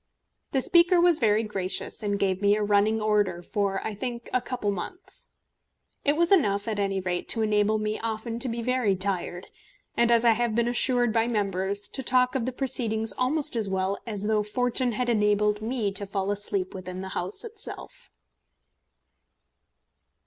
The Speaker was very gracious, and gave me a running order for, I think, a couple of months. It was enough, at any rate, to enable me often to be very tired, and, as I have been assured by members, to talk of the proceedings almost as well as though Fortune had enabled me to fall asleep within the House itself.